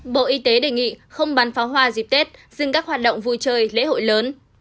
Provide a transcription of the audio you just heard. bộ y tế đề nghị không bán pháo hoa dịp tết dừng các hoạt động vui chơi lễ hội lớn